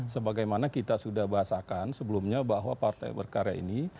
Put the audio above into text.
sebagaimana kita sudah bahasakan sebelumnya bahwa partai berkarya ini